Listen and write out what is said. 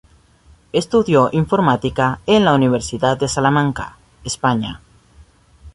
Estudió Informática en la Universidad de Salamanca, España.